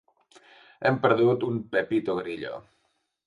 Hem perdut un “Pepito Grillo”.